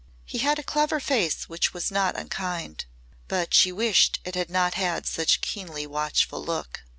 He had a clever face which was not unkind, but she wished that it had not had such a keenly watchful look.